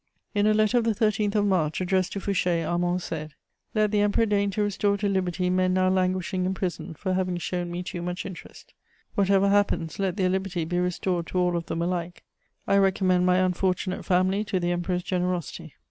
In a letter of the 13th of March, addressed to Fouché, Armand said: "Let the Emperor deign to restore to liberty men now languishing in prison for having shown me too much interest. Whatever happens, let their liberty be restored to all of them alike. I recommend my unfortunate family to the Emperor's generosity."